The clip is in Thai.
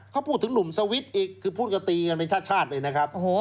เขาพูดถึงหนุ่มสวีดอีกคือพูดกับตีกันเป็นชาติชาติอีกนะครับ